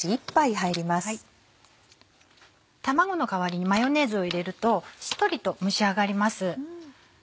卵の代わりにマヨネーズを入れるとしっとりと蒸し上がります。